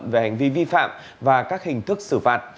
về hành vi vi phạm và các hình thức xử phạt